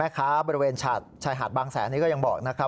แม่ค้าบริเวณทราบชายหากบางแสนนี้ก็ยังบอก